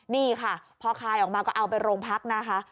นี่ค่ะพอคลายออกมาก็เอาไปโรงพักนะคะ